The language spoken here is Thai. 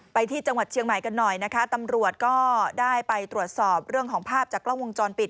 ที่จังหวัดเชียงใหม่กันหน่อยนะคะตำรวจก็ได้ไปตรวจสอบเรื่องของภาพจากกล้องวงจรปิด